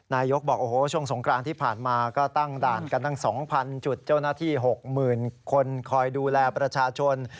นายกบอกโอ้โหช่วงสงกรานที่ผ่านมาก็ตั้งด่านกันตั้ง๒๐๐จุดเจ้าหน้าที่๖๐๐๐คนคอยดูแลประชาชน